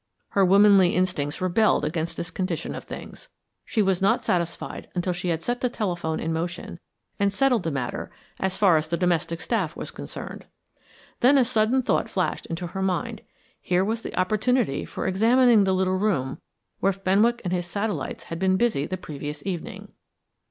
Her womanly instincts rebelled against this condition of things; she was not satisfied until she had set the telephone in motion and settled the matter as far as the domestic staff was concerned. Then a sudden thought flashed into her mind. Here was the opportunity for examining the little room where Fenwick and his satellites had been busy the previous evening.